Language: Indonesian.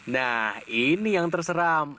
nah ini yang terseram